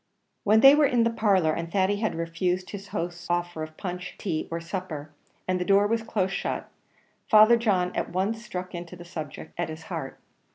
When they were in the parlour, and Thady had refused his host's offers of punch, tea, or supper, and the door was close shut, Father John at once struck into the subject at his heart.